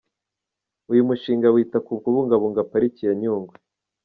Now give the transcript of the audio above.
Uyu mushinga wita ku kubungabunga pariki ya Nyungwe.